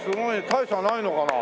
大差ないのかな。